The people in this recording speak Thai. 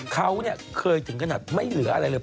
เขาเนี่ยเคยถึงขนาดไม่เหลืออะไรเลย